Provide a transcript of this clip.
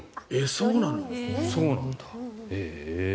そうなんだ。